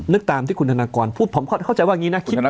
นึกตามที่คุณธนกรผมเข้าใจว่าอย่างนี้นะ